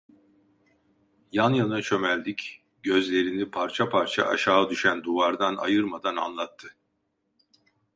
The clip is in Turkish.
Yan yana çömeldik, gözlerini parça parça aşağı düşen duvardan ayırmadan anlattı: